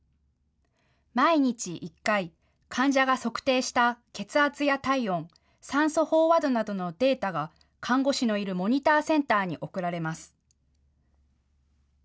毎日１回、患者が測定した血圧や体温、酸素飽和度などのデータが看護師のいるモニターセンターに送られます。